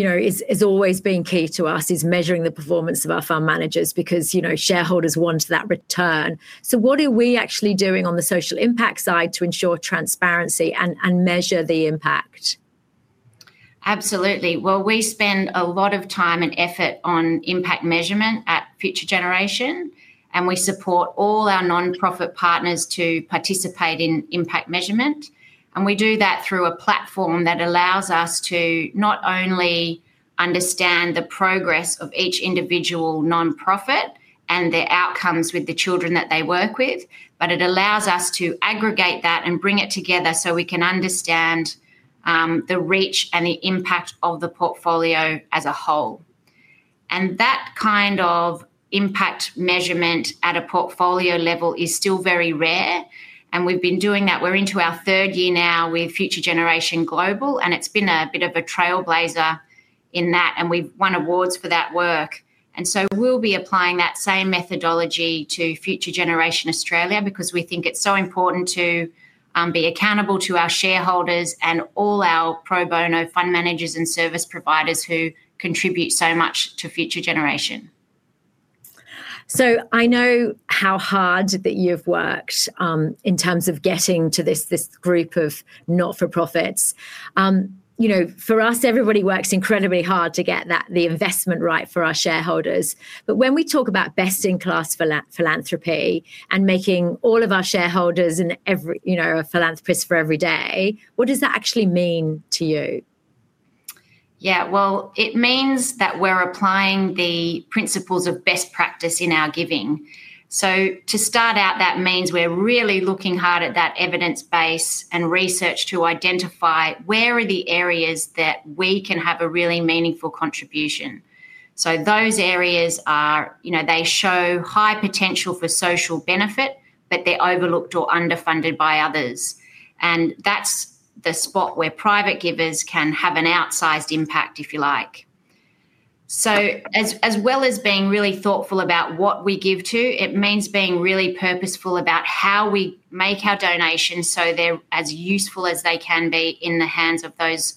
has always been key to us is measuring the performance of our fund managers because shareholders want that return. What are we actually doing on the social impact side to ensure transparency and measure the impact? Absolutely. We spend a lot of time and effort on impact measurement at Future Generation Australia Limited, and we support all our nonprofit partners to participate in impact measurement. We do that through a platform that allows us to not only understand the progress of each individual nonprofit and their outcomes with the children that they work with, but it allows us to aggregate that and bring it together so we can understand the reach and the impact of the portfolio as a whole. That kind of impact measurement at a portfolio level is still very rare. We've been doing that. We're into our third year now with Future Generation Global Limited, and it's been a bit of a trailblazer in that, and we've won awards for that work. We will be applying that same methodology to Future Generation Australia Limited because we think it's so important to be accountable to our shareholders and all our pro bono fund managers and service providers who contribute so much to Future Generation Australia Limited. I know how hard that you've worked in terms of getting to this group of not-for-profits. You know, for us, everybody works incredibly hard to get the investment right for our shareholders. When we talk about best-in-class philanthropy and making all of our shareholders and every, you know, philanthropists for every day, what does that actually mean to you? Yeah, it means that we're applying the principles of best practice in our giving. To start out, that means we're really looking hard at that evidence base and research to identify where are the areas that we can have a really meaningful contribution. Those areas show high potential for social benefit, but they're overlooked or underfunded by others. That's the spot where private givers can have an outsized impact, if you like. As well as being really thoughtful about what we give to, it means being really purposeful about how we make our donations so they're as useful as they can be in the hands of those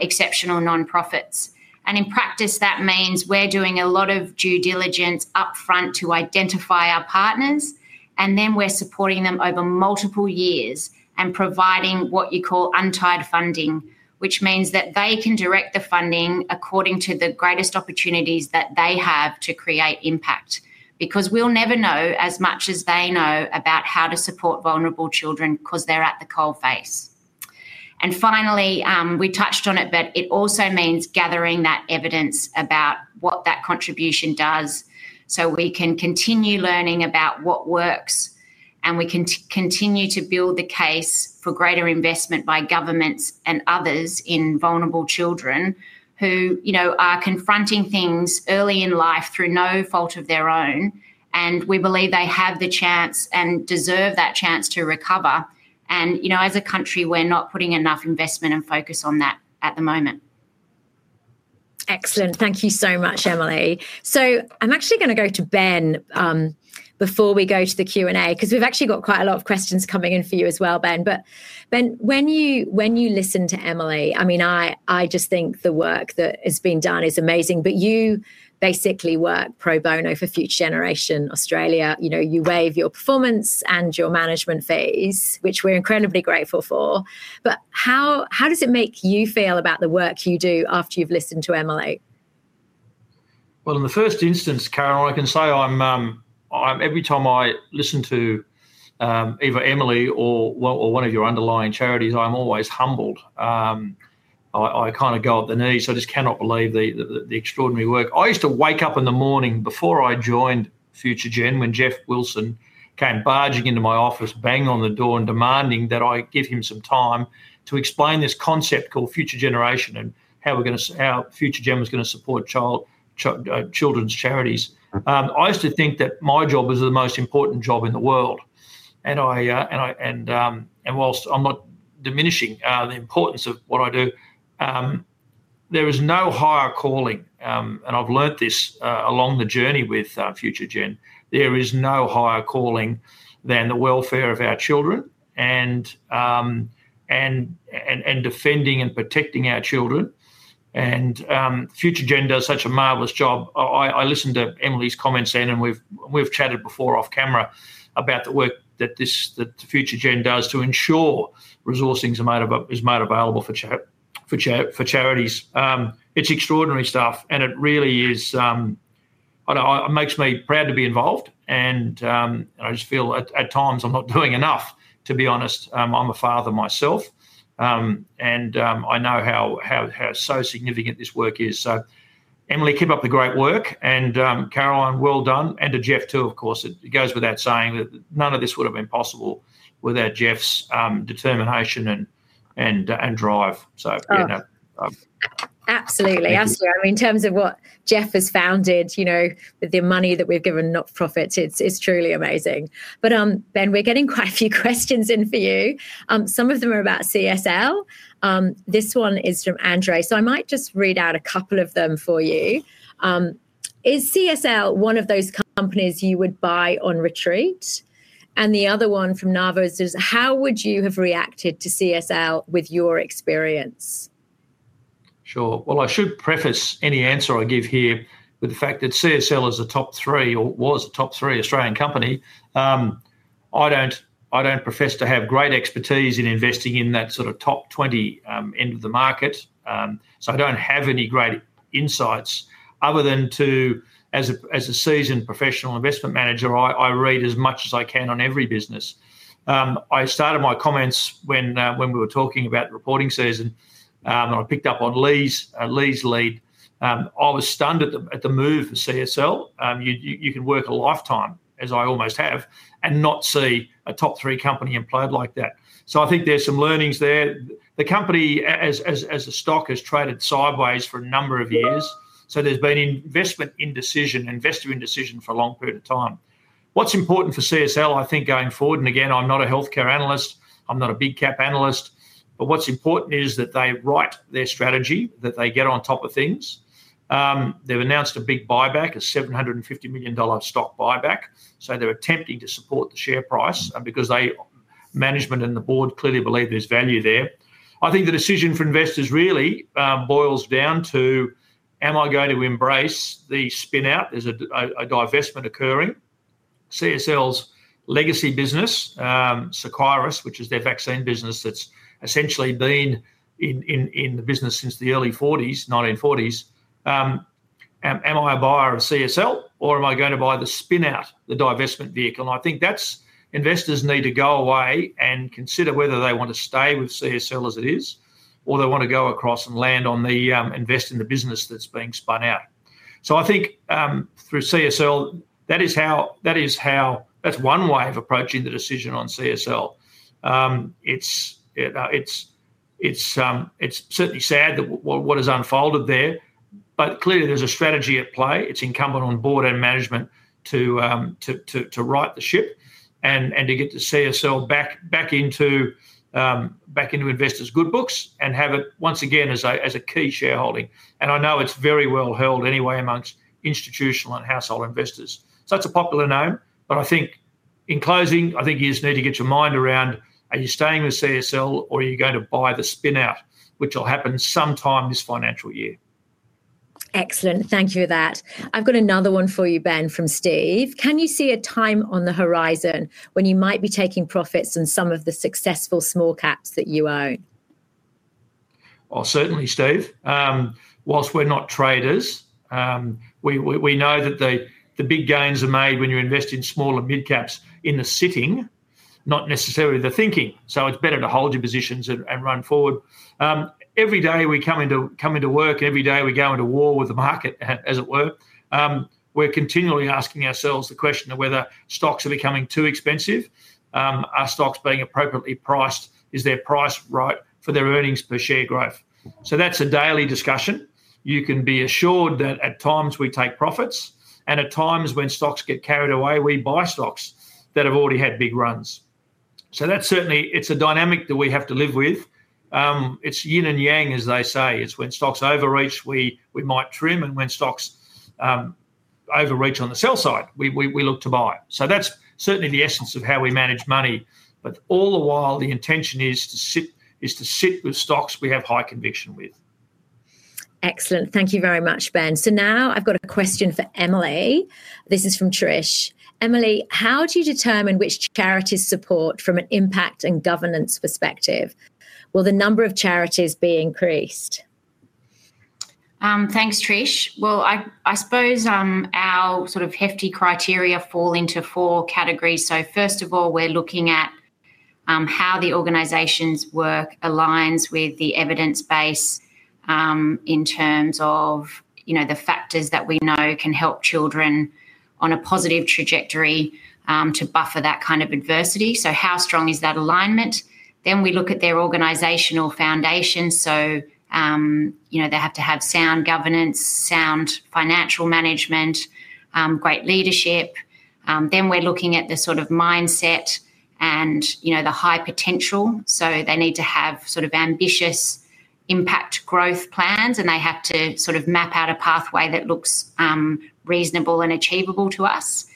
exceptional nonprofits. In practice, that means we're doing a lot of due diligence upfront to identify our partners, and then we're supporting them over multiple years and providing what you call untied funding, which means that they can direct the funding according to the greatest opportunities that they have to create impact, because we'll never know as much as they know about how to support vulnerable children because they're at the coalface. Finally, we touched on it, but it also means gathering that evidence about what that contribution does so we can continue learning about what works and we can continue to build the case for greater investment by governments and others in vulnerable children who are confronting things early in life through no fault of their own. We believe they have the chance and deserve that chance to recover. As a country, we're not putting enough investment and focus on that at the moment. Excellent. Thank you so much, Emily. I'm actually going to go to Ben before we go to the Q&A, because we've actually got quite a lot of questions coming in for you as well, Ben. When you listen to Emily, I just think the work that has been done is amazing. You basically work pro bono for Future Generation Australia Limited. You know, you waive your performance and your management fees, which we're incredibly grateful for. How does it make you feel about the work you do after you've listened to Emily? In the first instance, Caroline, I can say I'm, every time I listen to either Emily or one of your underlying charities, I'm always humbled. I kind of go up the knees. I just cannot believe the extraordinary work. I used to wake up in the morning before I joined Future Generation Australia Limited when Geoffrey Wilson came barging into my office, banging on the door, and demanding that I give him some time to explain this concept called Future Generation and how we're going to, how Future Generation Australia Limited is going to support children's charities. I used to think that my job was the most important job in the world. Whilst I'm not diminishing the importance of what I do, there is no higher calling, and I've learned this along the journey with Future Generation Australia Limited. There is no higher calling than the welfare of our children and defending and protecting our children. Future Generation Australia Limited does such a marvelous job. I listened to Emily's comments then, and we've chatted before off camera about the work that Future Generation Australia Limited does to ensure resourcing is made available for charities. It's extraordinary stuff, and it really is, I don't know, it makes me proud to be involved. I just feel at times I'm not doing enough, to be honest. I'm a father myself, and I know how so significant this work is. Emily, keep up the great work. Caroline, well done. To Geoffrey, too, of course, it goes without saying that none of this would have been possible without Geoffrey's determination and drive. Absolutely. I mean, in terms of what Geoff has founded, with the money that we've given not-for-profits, it's truly amazing. Ben, we're getting quite a few questions in for you. Some of them are about CSL. This one is from Andrei. I might just read out a couple of them for you. Is CSL one of those companies you would buy on retreat? The other one from Navos is, how would you have reacted to CSL with your experience? Sure. I should preface any answer I give here with the fact that CSL is a top three, or was a top three Australian company. I don't profess to have great expertise in investing in that sort of top 20 end of the market. I don't have any great insights other than to, as a seasoned professional investment manager, I read as much as I can on every business. I started my comments when we were talking about the reporting season, and I picked up on Lee's lead. I was stunned at the move for CSL. You can work a lifetime, as I almost have, and not see a top three company employed like that. I think there's some learnings there. The company, as the stock has traded sideways for a number of years, so there's been investment indecision, investor indecision for a long period of time. What's important for CSL, I think, going forward, and again, I'm not a healthcare analyst. I'm not a big-cap analyst. What's important is that they write their strategy, that they get on top of things. They've announced a big buyback, a $750 million stock buyback. They're attempting to support the share price because management and the board clearly believe there's value there. I think the decision for investors really boils down to, am I going to embrace the spin-out? There's a divestment occurring. CSL's legacy business, Sequirus, which is their vaccine business that's essentially been in the business since the early 1940s. Am I a buyer of CSL, or am I going to buy the spin-out, the divestment vehicle? I think that investors need to go away and consider whether they want to stay with CSL as it is, or they want to go across and land on the invest in the business that's being spun out. I think through CSL, that is how, that is how, that's one way of approaching the decision on CSL. It's certainly sad that what has unfolded there, but clearly there's a strategy at play. It's incumbent on board and management to right the ship and to get the CSL back into investors' good books and have it once again as a key shareholding. I know it's very well held anyway amongst institutional and household investors. That's a popular name. In closing, I think you just need to get your mind around, are you staying with CSL or are you going to buy the spin-out, which will happen sometime this financial year? Excellent. Thank you for that. I've got another one for you, Ben, from Steve. Can you see a time on the horizon when you might be taking profits on some of the successful small caps that you own? Certainly, Steve. Whilst we're not traders, we know that the big gains are made when you invest in small and mid-caps in the sitting, not necessarily the thinking. It's better to hold your positions and run forward. Every day we come into work, every day we go into war with the market, as it were. We're continually asking ourselves the question of whether stocks are becoming too expensive. Are stocks being appropriately priced? Is their price right for their earnings per share growth? That's a daily discussion. You can be assured that at times we take profits, and at times when stocks get carried away, we buy stocks that have already had big runs. That's certainly a dynamic that we have to live with. It's yin and yang, as they say. When stocks overreach, we might trim, and when stocks overreach on the sell side, we look to buy. That's certainly the essence of how we manage money. All the while, the intention is to sit with stocks we have high conviction with. Excellent. Thank you very much, Ben. I have a question for Emily. This is from Trish. Emily, how do you determine which charities support from an impact and governance perspective? Will the number of charities be increased? Thanks, Trish. I suppose our sort of hefty criteria fall into four categories. First of all, we're looking at how the organization's work aligns with the evidence base in terms of the factors that we know can help children on a positive trajectory to buffer that kind of adversity. How strong is that alignment? Then we look at their organizational foundation. They have to have sound governance, sound financial management, great leadership. We're looking at the sort of mindset and the high potential. They need to have ambitious impact growth plans, and they have to map out a pathway that looks reasonable and achievable to us.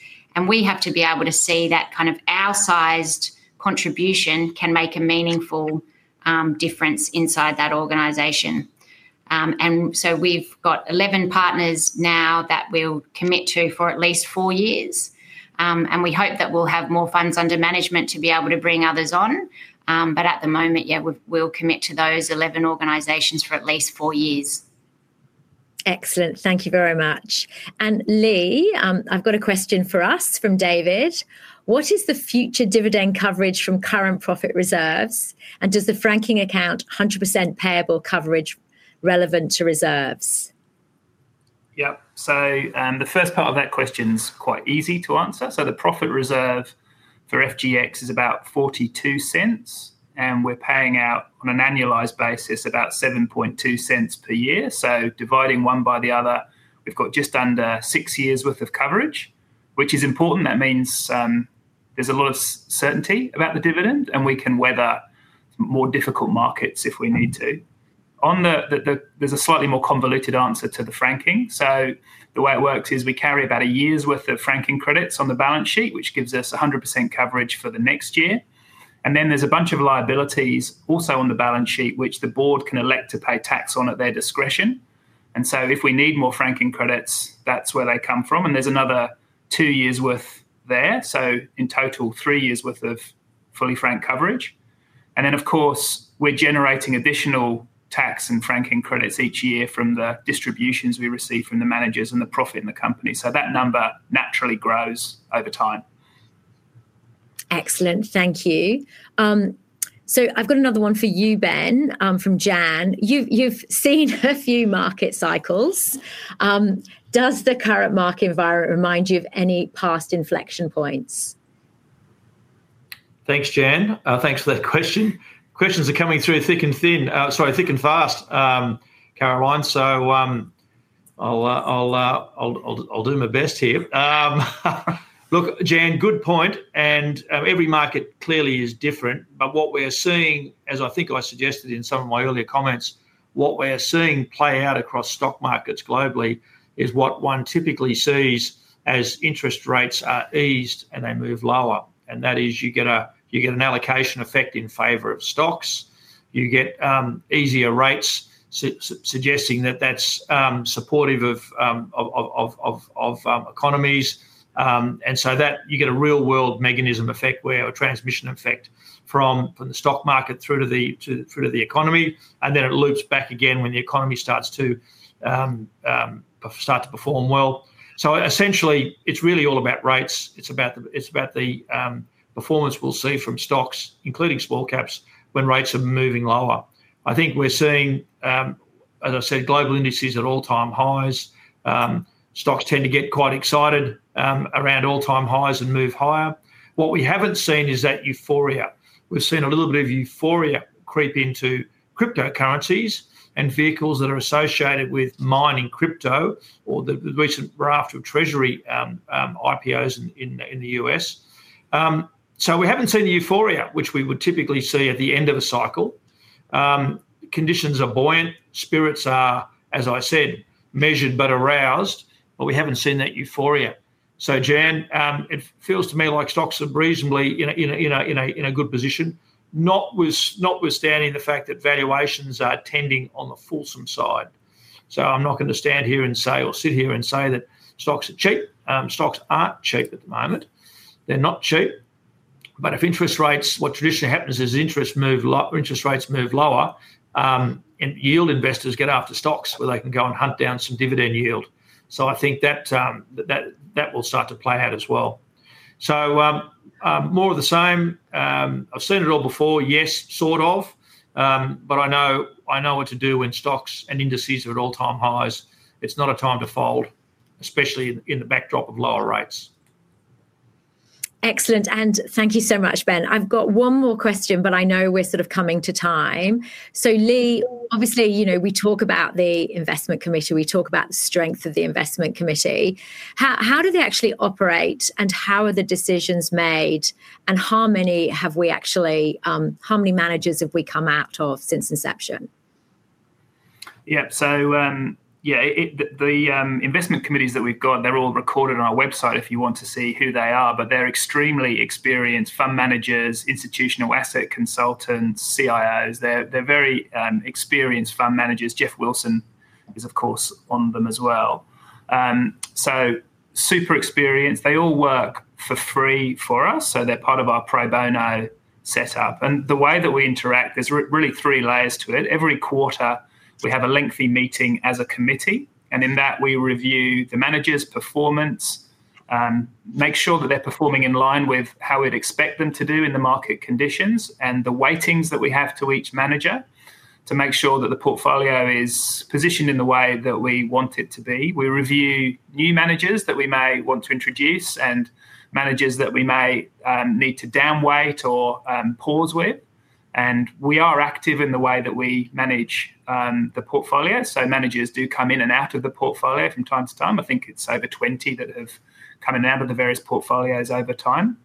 We have to be able to see that our sized contribution can make a meaningful difference inside that organization. We've got 11 partners now that we'll commit to for at least four years. We hope that we'll have more funds under management to be able to bring others on. At the moment, we'll commit to those 11 organizations for at least four years. Excellent. Thank you very much. Lee, I've got a question for us from David. What is the future dividend coverage from current profit reserves? Does the franking account 100% payable coverage relevant to reserves? Yep. The first part of that question is quite easy to answer. The profit reserve for FGX is about $0.42, and we're paying out on an annualized basis about $0.072 per year. Dividing one by the other, we've got just under six years' worth of coverage, which is important. That means there's a lot of certainty about the dividend, and we can weather more difficult markets if we need to. There's a slightly more convoluted answer to the franking. The way it works is we carry about a year's worth of franking credits on the balance sheet, which gives us 100% coverage for the next year. There are a bunch of liabilities also on the balance sheet, which the board can elect to pay tax on at their discretion. If we need more franking credits, that's where they come from. There's another two years' worth there. In total, three years' worth of fully franked coverage. Of course, we're generating additional tax and franking credits each year from the distributions we receive from the managers and the profit in the company. That number naturally grows over time. Excellent. Thank you. I've got another one for you, Ben, from Jan. You've seen a few market cycles. Does the current market environment remind you of any past inflection points? Thanks, Jan. Thanks for that question. Questions are coming through thick and fast, Caroline. I'll do my best here. Look, Jan, good point. Every market clearly is different. What we're seeing, as I think I suggested in some of my earlier comments, what we're seeing play out across stock markets globally is what one typically sees as interest rates are eased and they move lower. That is, you get an allocation effect in favor of stocks. You get easier rates, suggesting that that's supportive of economies. You get a real-world mechanism effect where a transmission effect from the stock market through to the economy occurs. It loops back again when the economy starts to perform well. Essentially, it's really all about rates. It's about the performance we'll see from stocks, including small caps, when rates are moving lower. I think we're seeing, as I said, global indices at all-time highs. Stocks tend to get quite excited around all-time highs and move higher. What we haven't seen is that euphoria. We've seen a little bit of euphoria creep into cryptocurrencies and vehicles that are associated with mining crypto or the recent raft of Treasury IPOs in the U.S. We haven't seen the euphoria, which we would typically see at the end of a cycle. Conditions are buoyant. Spirits are, as I said, measured but aroused. We haven't seen that euphoria. Jan, it feels to me like stocks are reasonably in a good position, notwithstanding the fact that valuations are tending on the fulsome side. I'm not going to stand here and say or sit here and say that stocks are cheap. Stocks are cheap at the moment. They're not cheap. If interest rates, what traditionally happens is interest rates move lower, and yield investors get after stocks where they can go and hunt down some dividend yield. I think that will start to play out as well. More of the same. I've seen it all before. Yes, sort of. I know what to do when stocks and indices are at all-time highs. It's not a time to fold, especially in the backdrop of lower rates. Excellent. Thank you so much, Ben. I've got one more question, but I know we're sort of coming to time. Lee, obviously, you know, we talk about the investment committee. We talk about the strength of the investment committee. How do they actually operate? How are the decisions made? How many managers have we actually come out of since inception? Yeah, the investment committees that we've got, they're all recorded on our website if you want to see who they are. They're extremely experienced fund managers, institutional asset consultants, CIOs. They're very experienced fund managers. Geoffrey Wilson is, of course, on them as well. Super experienced. They all work for free for us. They're part of our pro bono setup. The way that we interact, there's really three layers to it. Every quarter, we have a lengthy meeting as a committee. In that, we review the managers' performance, make sure that they're performing in line with how we'd expect them to do in the market conditions, and the weightings that we have to each manager to make sure that the portfolio is positioned in the way that we want it to be. We review new managers that we may want to introduce and managers that we may need to downweight or pause with. We are active in the way that we manage the portfolio. Managers do come in and out of the portfolio from time to time. I think it's over 20 that have come in and out of the various portfolios over time.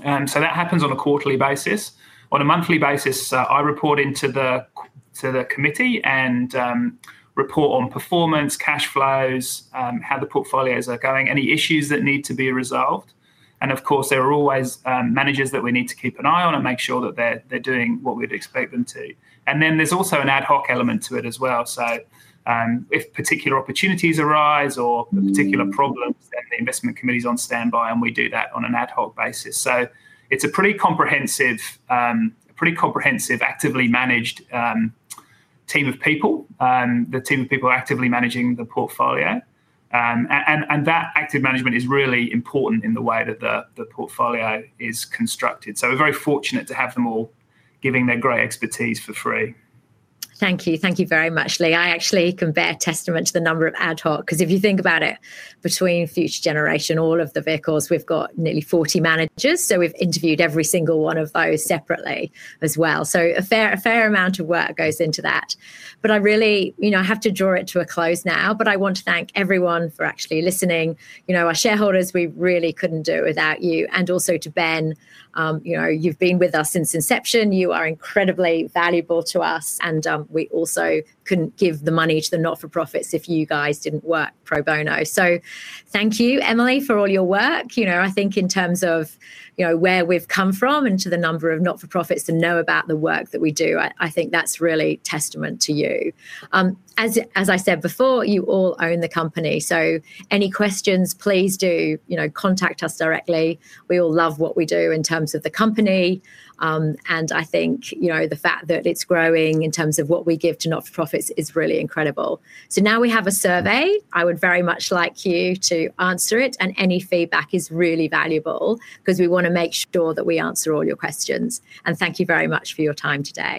That happens on a quarterly basis. On a monthly basis, I report into the committee and report on performance, cash flows, how the portfolios are going, any issues that need to be resolved. Of course, there are always managers that we need to keep an eye on and make sure that they're doing what we'd expect them to. There's also an ad hoc element to it as well. If particular opportunities arise or particular problems, then the investment committee is on standby, and we do that on an ad hoc basis. It's a pretty comprehensive, pretty actively managed team of people, the team of people actively managing the portfolio. That active management is really important in the way that the portfolio is constructed. We're very fortunate to have them all giving their great expertise for free. Thank you. Thank you very much, Lee. I actually can bear testament to the number of ad hoc, because if you think about it, between Future Generation, all of the vehicles, we've got nearly 40 managers. We've interviewed every single one of those separately as well. A fair amount of work goes into that. I really have to draw it to a close now, but I want to thank everyone for actually listening. Our shareholders, we really couldn't do it without you. Also to Ben, you've been with us since inception. You are incredibly valuable to us. We also couldn't give the money to the not-for-profits if you guys didn't work pro bono. Thank you, Emily, for all your work. I think in terms of where we've come from and to the number of not-for-profits that know about the work that we do, I think that's really a testament to you. As I said before, you all own the company. Any questions, please do contact us directly. We all love what we do in terms of the company. I think the fact that it's growing in terms of what we give to not-for-profits is really incredible. Now we have a survey. I would very much like you to answer it. Any feedback is really valuable because we want to make sure that we answer all your questions. Thank you very much for your time today.